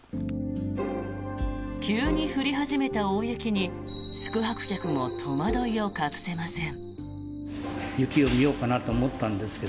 急に降り始めた大雪に宿泊客も戸惑いを隠せません。